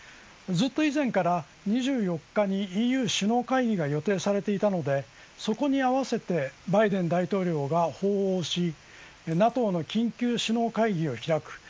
ずっと以前から２４日にＥＵ首脳会議が予定されていたのでそこに合わせてバイデン大統領が訪欧しＮＡＴＯの緊急首脳会議を開く。